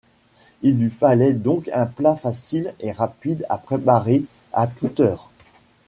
Il lui fallait donc un plat facile et rapide à préparer à toute heure.